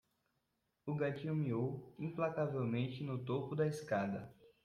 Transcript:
O gatinho miou implacavelmente no topo da escada.